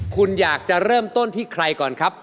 คุณอยากจะเริ่มต้นที่ใครก่อนครับ